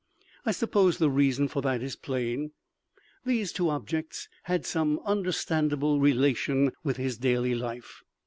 I suppose the reason for that is plain. These two objects had some understandable relation with his daily life.